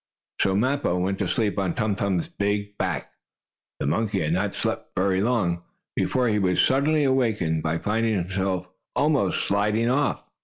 So Mappo went to sleep on Tum Tum's big back. The monkey had not slept very long, before he was suddenly awakened, by finding himself almost sliding off.